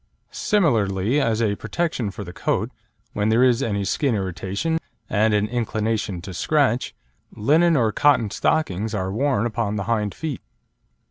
Similarly as a protection for the coat, when there is any skin irritation and an inclination to scratch, linen or cotton stockings are worn upon the hind feet.